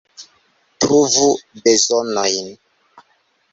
Pruvu bezonojn.